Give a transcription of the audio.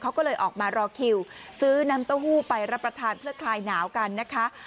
เขาก็เลยออกมารอคิวซื้อน้ำเต้าหู้ไปรับประทานเพื่อคลายหนาวกันนะคะ